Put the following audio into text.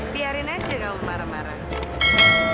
biarin aja kalau marah marah